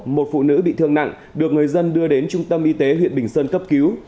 một phụ nữ bị thương nặng được người dân đưa đến trung tâm y tế huyện bình sơn cấp cứu